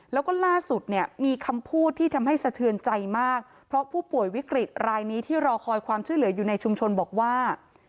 แล้วก็ล่าสุดเนี่ยมีคำพูดที่ทำให้สะเทือนใจมากเพราะผู้ป่วยวิกฤตรายนี้ที่รอคอยความช่วยเหลืออยู่ในชุมชนบอกว่า